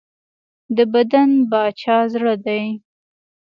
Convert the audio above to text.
د بدن باچا زړه دی.